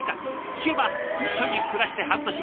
聞けば一緒に暮らして半年。